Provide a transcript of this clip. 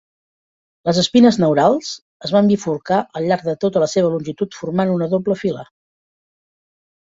Les espines neurals es van bifurcar al llarg de tota la seva longitud formant una doble fila.